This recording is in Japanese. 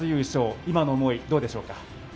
今の思い、どうでしょうか？